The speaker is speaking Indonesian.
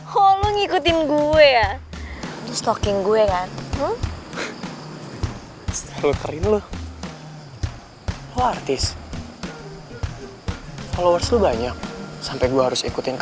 kalau ngikutin gue stoking gue kan lu keren lu artis followers banyak sampai gue harus ikutin